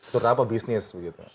ternyata apa bisnis